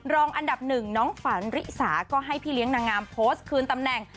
รองอันดับหนึ่งน้องฝันริสาก็ให้พี่เลี้ยงนางงามโพสต์คืนตำแหน่ง